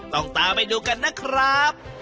ต้องตามไปดูกันนะครับ